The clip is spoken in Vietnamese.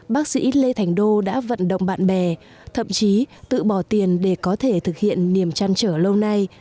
bác sĩ lê thành đô đã vận động bạn bè thậm chí tự bỏ tiền để có thể thực hiện niềm chăn trở lâu nay